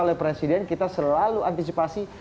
oleh presiden kita selalu antisipasi